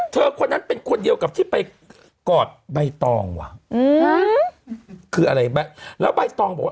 คนนั้นเป็นคนเดียวกับที่ไปกอดใบตองว่ะอืมคืออะไรแล้วใบตองบอกว่า